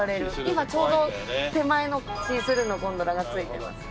今ちょうど手前のシースルーのゴンドラがついています。